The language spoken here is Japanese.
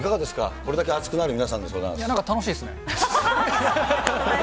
これだけ熱くなる皆さんでございなんか楽しいですね。